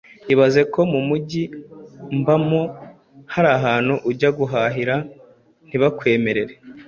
Ibazeko mumugi mbamo harahantu ujya guhahira ntibakwemerere